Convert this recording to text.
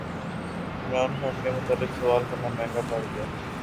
عمران خان کے متعلق سوال کرنا مہنگا پڑگیا